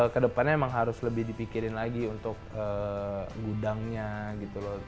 kedepannya emang harus lebih dipikirin lagi untuk gudangnya gitu loh